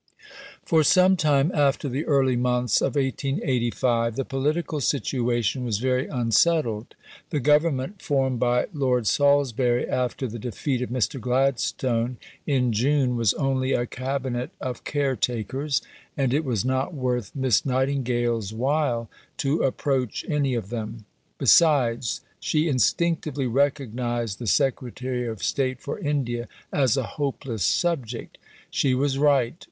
For some time after the early months of 1885 the political situation was very unsettled. The Government formed by Lord Salisbury after the defeat of Mr. Gladstone in June was only a "Cabinet of Caretakers," and it was not worth Miss Nightingale's while to approach any of them. Besides, she instinctively recognized the Secretary of State for India as a hopeless subject. She was right.